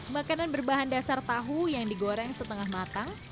makanan berbahan dasar tahu yang digoreng setengah matang